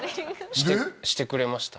してくれました